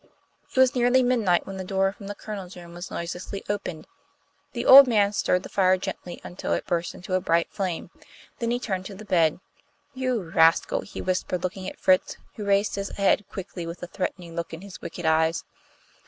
It was nearly midnight when the door from the Colonel's room was noiselessly opened. The old man stirred the fire gently until it burst into a bright flame. Then he turned to the bed. "You rascal!" he whispered, looking at Fritz, who raised his head quickly with a threatening look in his wicked eyes.